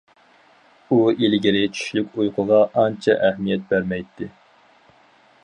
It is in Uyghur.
ئۇ، ئىلگىرى چۈشلۈك ئۇيقۇغا ئانچە ئەھمىيەت بەرمەيتتى.